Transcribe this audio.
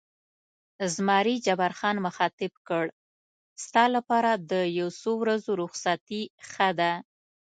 زمري جبار خان مخاطب کړ: ستا لپاره د یو څو ورځو رخصتي ښه ده.